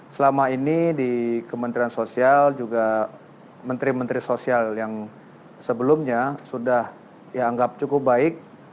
selama ini di kementerian sosial juga menteri menteri sosial yang sebelumnya sudah dianggap cukup baik